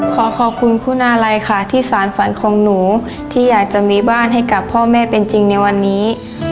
ขอขอบคุณคุณอาลัยค่ะที่สารฝันของหนูที่อยากจะมีบ้านให้กับพ่อแม่เป็นจริงในวันนี้